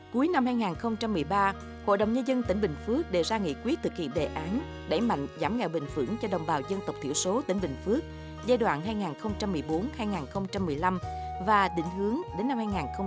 cuối năm hai nghìn một mươi ba hội đồng nhân dân tỉnh bình phước đề ra nghị quyết thực hiện đề án đẩy mạnh giảm nghèo bình phửng cho đồng bào dân tộc thiểu số tỉnh bình phước giai đoạn hai nghìn một mươi bốn hai nghìn một mươi năm và định hướng đến năm hai nghìn hai mươi năm